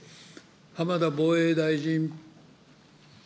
浜田防衛大臣。